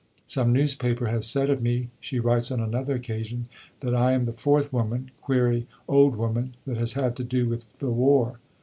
"Some newspaper has said of me," she writes on another occasion, "that I am the fourth woman (query, Old Woman) that has had to do with the war.